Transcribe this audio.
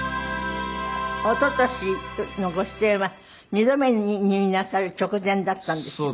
一昨年のご出演は２度目に入院なさる直前だったんですけど。